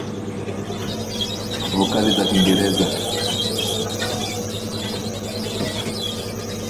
Vokali za Kiingereza